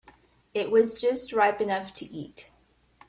It was just ripe enough to eat.